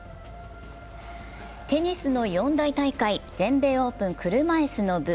テニスの四大大会全米オープン車いすの部。